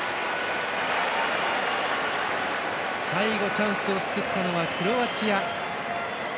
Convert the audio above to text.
最後、チャンスを作ったのはクロアチア。